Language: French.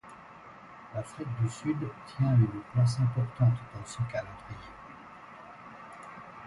L'Afrique du Sud tient une place importante dans ce calendrier.